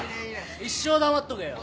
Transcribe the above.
一生黙っとけよ